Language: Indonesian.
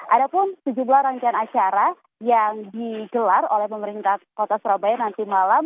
ada pun sejumlah rangkaian acara yang digelar oleh pemerintah kota surabaya nanti malam